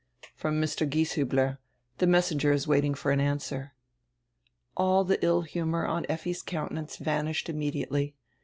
"From Mr. Gieshiibler. The messenger is waiting for an answer." All the ill humor on Fffi's countenance vanished imme diately.